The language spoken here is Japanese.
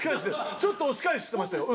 ちょっと押し返してました